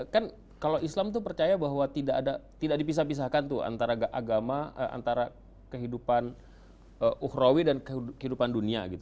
kan kalau islam itu percaya bahwa tidak dipisah pisahkan tuh antara agama antara kehidupan uhrawi dan kehidupan dunia gitu